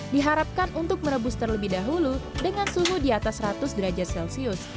diharapkan untuk merebus terlebih dahulu dengan suhu di atas seratus derajat celcius